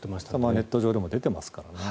ネット上でも出ていますからね。